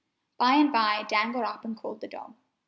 By and by Dan got up and called the dog.